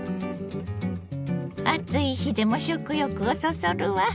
暑い日でも食欲をそそるわ。